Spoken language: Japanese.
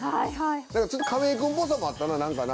ちょっと亀井君っぽさもあったな何かな。